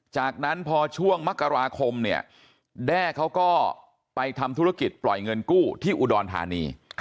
จากนั้นพอช่วงมกราคมเนี่ยแด้เขาก็ไปทำธุรกิจปล่อยเงินกู้ที่อุดรธานี